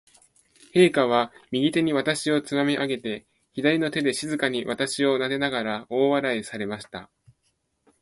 陛下は、右手に私をつまみ上げて、左の手で静かに私をなでながら、大笑いされました。